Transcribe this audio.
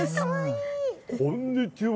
こんにちは。